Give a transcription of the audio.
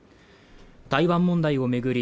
台湾問題を巡り